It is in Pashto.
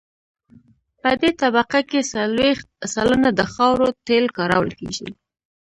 په دې طبقه کې څلویښت سلنه د خاورو تیل کارول کیږي